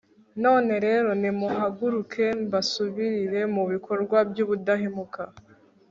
none rero, nimuhaguruke mbasubirire mu bikorwa by'ubudahemuka